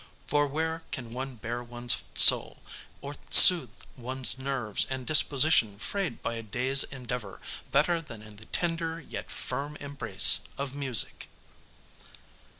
For where can one bare one's soul, or soothe one's nerves and disposition frayed by a day's endeavor, better than in the tender yet firm embrace of music?"